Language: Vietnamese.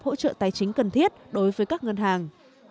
hỗ trợ tài chính cần thiết đối với các ngân hàng